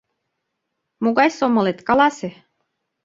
Могай сомылет, каласе.